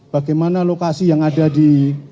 bagaimana lokasi yang ada di